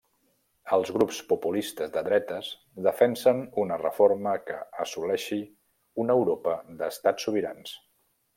Els grups populistes de dretes defensen una reforma que assoleixi una Europa d'estats sobirans.